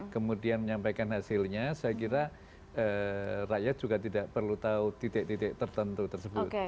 kemudian menyampaikan hasilnya saya kira rakyat juga tidak perlu tahu titik titik tertentu tersebut